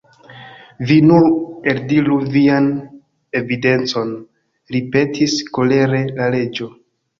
"Vi nur eldiru vian evidencon," ripetis kolere la Reĝo.